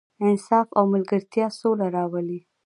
انصاف او ملګرتیا سوله راولي.